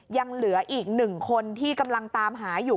ยังเหลืออีก๑คนที่กำลังตามหาอยู่